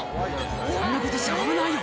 そんなことしちゃ危ないよ